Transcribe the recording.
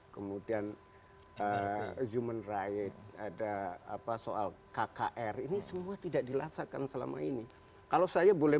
kemudian human rights ada apa soal kkr ini semua tidak dirasakan selama ini kalau saya boleh